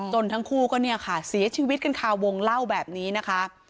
ทั้งคู่ก็เนี่ยค่ะเสียชีวิตกันค่ะวงเล่าแบบนี้นะคะ